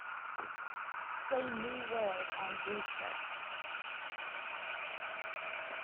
Play New World on groove shark